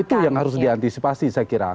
itu yang harus diantisipasi saya kira